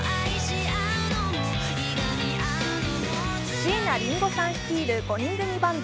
椎名林檎さん率いる５人組バンド